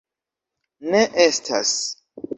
Ne estas.